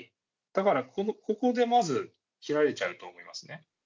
だから、ここでまず切られちゃうと思いますね。